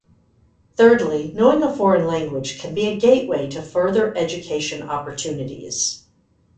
Thirdly, knowing a foreign language can be a gateway to further education opportunities.